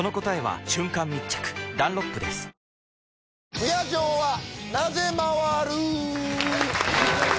「不夜城はなぜ回る」